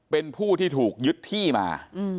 เป็นผู้ที่ถูกยึดที่มา